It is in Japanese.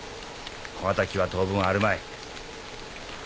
小型機は当分あるまい。